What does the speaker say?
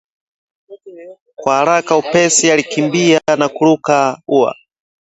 Kwa haraka upesi alikimbia na kuruka ua